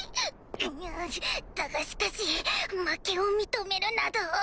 うぅだがしかし負けを認めるなど。